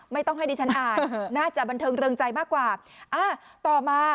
ไม่ต้องให้ดิฉันอ่านน่าจะบันเทิงเริงใจมากกว่าอ่าต่อมา